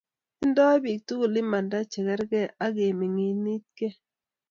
tindoi bik tugul imanda che kergei ak kemining'it kee.